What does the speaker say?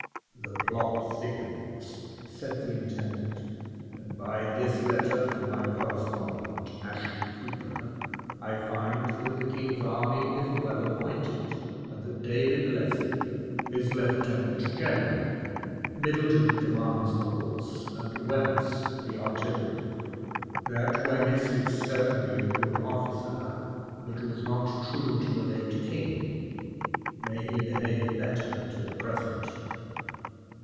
"The plot thickens," said the intendant; "and by this letter from my correspondent, Ashley Cooper, I find that the king's army is well appointed, and that David Lesley is lieutenant general; Middleton commands the horse, and Wemyss the artillery. That Wemyss is certainly a good officer, but was not true to the late king: may he behave better to the present!